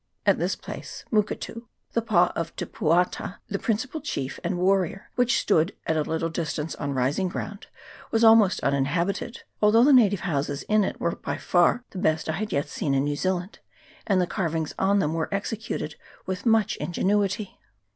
At this place, Muketu, the pa of Te Puata, the principal chief and warrior, which stood at a little distance on rising ground, was almost uninhabited, although the native houses in it were by far the best I had yet seen in New Zealand, and the carvings on them were executed with much in genuity.